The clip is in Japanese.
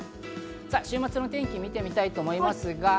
週末の天気を見てみたいと思います。